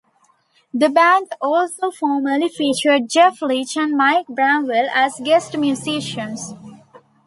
The band also formerly featured Jeff Leach and Mike Bramwell as guest musicians.